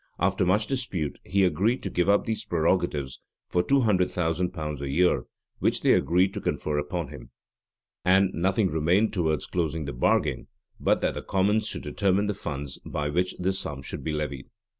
After much dispute, he agreed to give up these prerogatives for two hundred thousand pounds a year, which they agreed to confer upon him.[*] And nothing remained towards closing the bargain, but that the commons should determine the funds by which this sum should be levied.